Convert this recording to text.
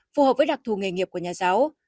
phù hợp với đặc thù nghề nghiệp của nhà giáo